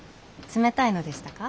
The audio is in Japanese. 冷たいのでしたか？